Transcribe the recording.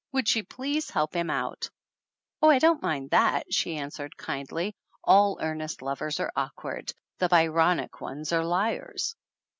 Would she please help him out? "Oh, don't mind that," she answered kindly. "All earnest lovers are awkward. The Byronic ones are liars